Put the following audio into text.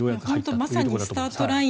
まさにスタートライン。